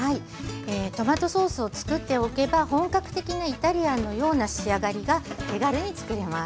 トマトソースをつくっておけば本格的なイタリアンのような仕上がりが手軽につくれます。